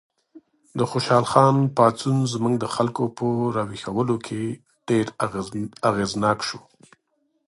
د خوشحال خان پاڅون زموږ د خلکو په راویښولو کې ډېر اغېزناک شو.